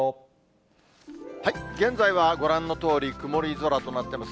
現在はご覧のとおり、曇り空となってます。